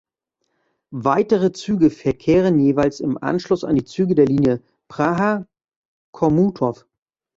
Weitere Züge verkehren jeweils im Anschluss an die Züge der Linie Praha–Chomutov.